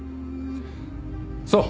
そう。